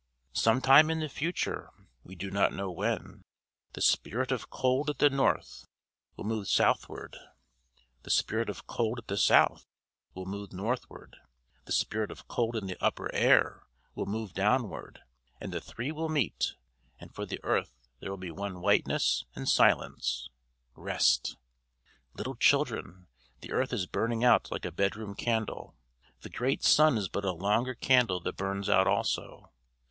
"Sometime in the future we do not know when the spirit of cold at the north will move southward; the spirit of cold at the south will move northward; the spirit of cold in the upper air will move downward; and the three will meet, and for the earth there will be one whiteness and silence rest. "Little children, the earth is burning out like a bedroom candle. The great sun is but a longer candle that burns out also.